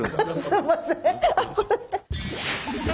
すいません！